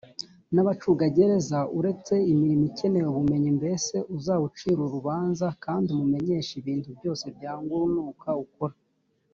n abacungagereza uretse imirimo ikeneye ubumenyi mbese uzawucira urubanza kandi uwumenyeshe ibintu byose byangwa urunuka ukora